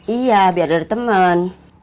iya biar ada temen